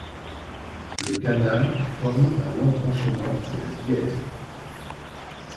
Le canal forme un embranchement de la Dieze.